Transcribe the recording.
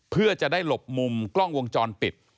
เพื่อจะได้หลบมุมกล้องวงจรปิด